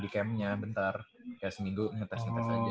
kayak seminggu ngetes ngetes aja